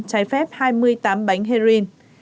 trái phép hai mươi tám bánh heroin